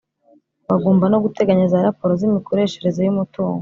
Bagomba no guteganya za raporo z’ imikoreshereze y’umutungo